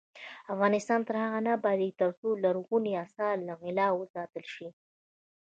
افغانستان تر هغو نه ابادیږي، ترڅو لرغوني اثار له غلا وساتل شي.